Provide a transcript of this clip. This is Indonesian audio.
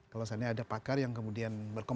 kalau seandainya ada pakar yang kemudian berkembang